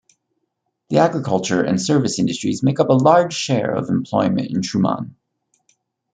The agriculture and service industries make up a large share of employment in Trumann.